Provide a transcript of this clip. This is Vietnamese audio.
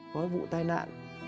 có vụ tai nạn